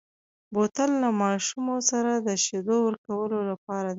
بوتل له ماشومو سره د شیدو ورکولو لپاره دی.